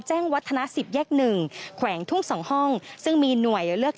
แจ้งวัฒนาสิบแยกหนึ่งแขวงทุ่งสองห้องซึ่งมีหน่วยเลือก